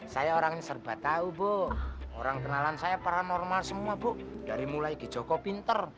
saya orangnya serba tahu bu orang kenalan saya paranormal semua bu dari mulai di joko pinter